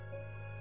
あ。